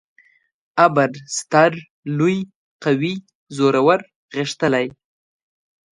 ابر: ستر ، لوی ، قوي، زورور، غښتلی